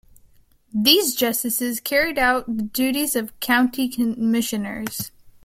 These justices carried out the duties of county commissioners.